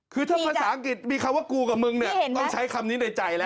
คือถ้าภาษาอังกฤษมีคำว่ากูกับมึงเนี่ยต้องใช้คำนี้ในใจแล้ว